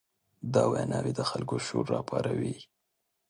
دا ویناوې د خلکو شور راپاروي.